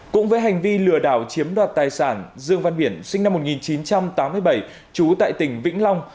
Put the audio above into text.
cũng với hành vi lừa đảo chiếm đoạt tài sản dương văn biển sinh năm một nghìn chín trăm tám mươi bảy trú tại tỉnh vĩnh long